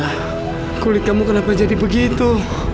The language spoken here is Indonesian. ah kulit kamu kenapa jadi begitu